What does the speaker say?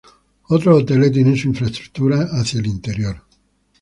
Otros hoteles tienen su infraestructura hacia el interior.